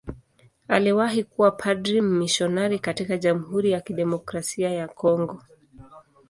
Aliwahi kuwa padri mmisionari katika Jamhuri ya Kidemokrasia ya Kongo.